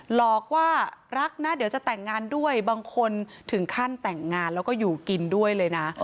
หลอกว่ารักนะเดี๋ยวจะแต่งงานด้วยบางคนถึงขั้นแต่งงานแล้วก็อยู่กินด้วยเลยนะ